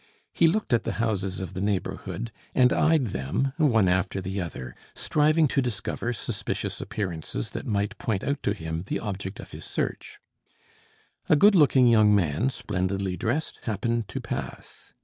He looked at the houses of the neighborhood, and eyed them, one after the other, striving to discover suspicious appearances that might point out to him the object of his search. A good looking young man, splendidly dressed, happened to pass.